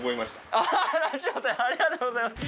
ありがとうございます。